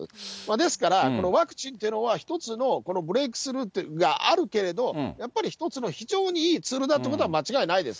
ですから、このワクチンというのは、一つのブレークスルーっていうのがあるけれど、やっぱり一つの非常にいいツールだというのは間違いないです。